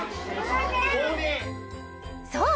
そう！